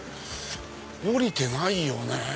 降りてないよねぇ。